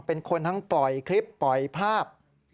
เป็นคนทั้งปล่อยคลิปปล่อยภาพ